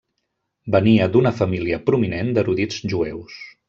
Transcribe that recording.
Venia d'una família prominent d'erudits jueus.